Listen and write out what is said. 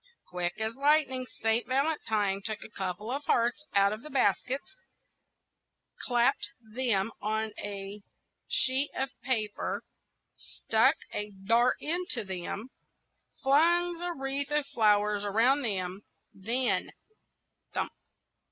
Quick as lightning, Saint Valentine took a couple of hearts out of the basket, clapped them on a sheet of paper, stuck a dart into them, flung a wreath of flowers round them, then, thump!